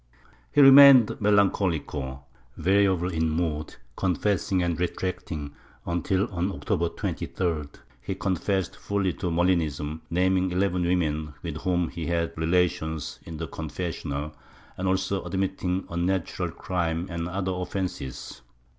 He remained melancolico, variable in mood, confessing and retracting until, on October 23d, he con fessed fully to Mohnism, naming eleven women with whom he had had relations in the confessional and also admitting unnatural crime and other offences.